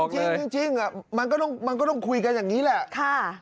จริงมันก็ต้องคุยกันอย่างนี้แหละ